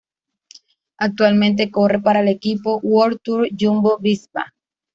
Actualmente corre para el equipo WorldTour Jumbo-Visma.